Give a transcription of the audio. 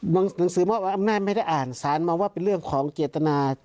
หนังสือมอบอำนาจไม่ได้อ่านสารมองว่าเป็นเรื่องของเจตนา